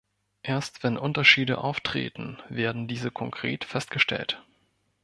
Erst wenn Unterschiede auftreten, werden diese konkret festgestellt.